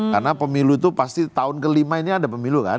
karena pemilu itu pasti tahun kelima ini ada pemilu kan